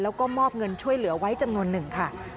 แล้วก็มอบเงินช่วยเหลือไว้จำนวนหนึ่งค่ะ